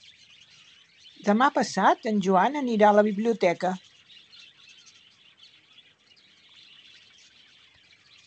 Demà passat en Joan anirà a la biblioteca.